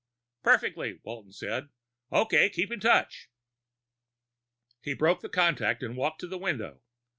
"Perfectly," Walton said. "Okay. Keep in touch." He broke contact and walked to the window.